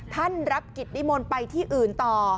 ท่านรับกิจนิมนต์ไปที่อื่นต่อ